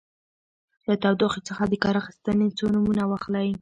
له تودوخې څخه د کار اخیستنې څو نومونه واخلئ.